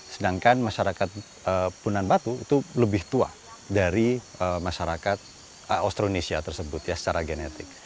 sedangkan masyarakat punan batu itu lebih tua dari masyarakat austronesia tersebut ya secara genetik